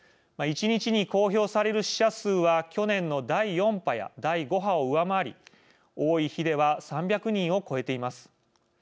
１日に公表される死者数は去年の第４波や第５波を上回り多い日では３００人を超えています。